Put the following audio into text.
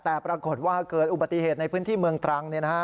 แต่ปรากฏว่าเกิดอุบัติเหตุในพื้นที่เมืองตรัง